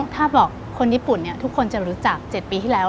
ถ้าบอกคนญี่ปุ่นทุกคนจะรู้จัก๗ปีที่แล้ว